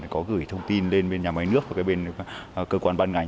có gửi thông tin lên bên nhà máy nước và cơ quan ban ngành